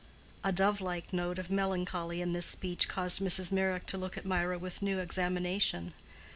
A dove like note of melancholy in this speech caused Mrs. Meyrick to look at Mirah with new examination.